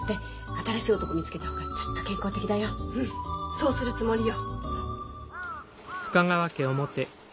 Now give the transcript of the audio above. そうするつもりよ。